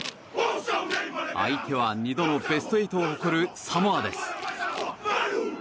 相手は２度のベスト８を誇るサモアです。